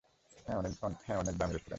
হ্যাঁ, অনেক দামি রেস্টুরেন্ট।